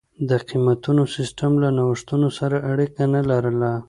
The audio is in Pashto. د قېمتونو سیستم له نوښتونو سره اړیکه نه لرله.